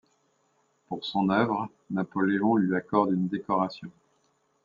Pour son œuvre, Napoléon lui accorde une décoration.